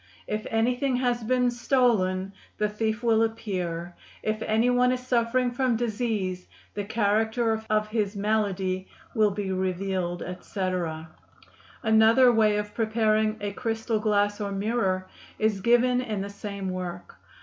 If anything has been stolen, the thief will appear; if any one is suffering from disease, the character of his malady will be revealed, etc. Another way of preparing a crystal glass or mirror is given in the same work.